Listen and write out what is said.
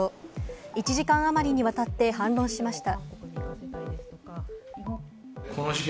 １時間あまりにわたって反論しました。